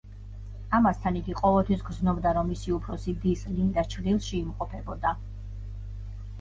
ამასთან, იგი ყოველთვის გრძნობდა, რომ მისი უფროსი დის ლინდას ჩრდილში იმყოფებოდა.